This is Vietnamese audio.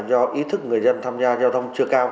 do ý thức người dân tham gia giao thông chưa cao